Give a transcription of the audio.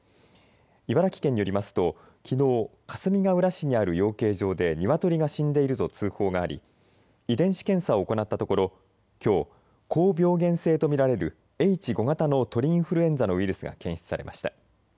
茨城県によりますときのうかすみがうら市にある養鶏場でニワトリが死んでいると通報があり、遺伝子検査を行ったところきょう高病原性と見られるＨ５型の鳥インフルエンザのウイルスが検出されました。